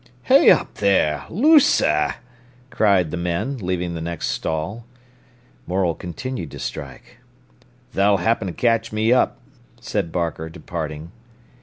"Hey up there—loose a'!" cried the men, leaving the next stall. Morel continued to strike. "Tha'll happen catch me up," said Barker, departing.